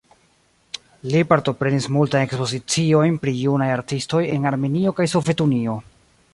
Li partoprenis multajn ekspoziciojn pri junaj artistoj en Armenio kaj Sovetunio.